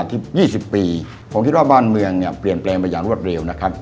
ที่ยี่สิบปีผมคิดว่าบ้านเมืองเนี่ยเปลี่ยนแปลงไปอย่างรวดเร็วนะครับ